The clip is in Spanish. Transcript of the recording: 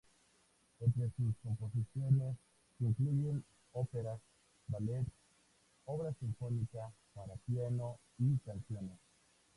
Entre sus composiciones se incluyen óperas, ballets, obra sinfónica, para piano y canciones.